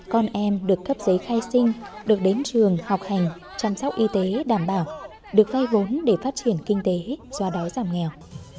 con em được cấp giấy khai sinh được đến trường học hành chăm sóc y tế đảm bảo được vay vốn để phát triển kinh tế do đói giảm nghèo